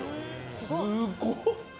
すごっ。